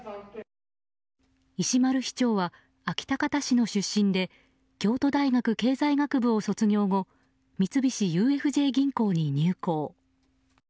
石丸市長は安芸高田市の出身で京都大学経済学部を卒業後三菱ＵＦＪ銀行に入行。